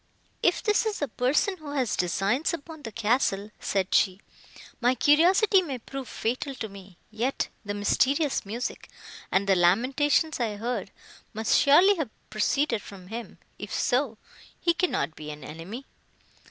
"If this is a person who has designs upon the castle," said she, "my curiosity may prove fatal to me; yet the mysterious music, and the lamentations I heard, must surely have proceeded from him: if so, he cannot be an enemy."